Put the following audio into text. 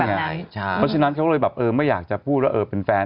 เพราะฉะนั้นเขาเลยแบบเออไม่อยากจะพูดว่าเป็นแฟน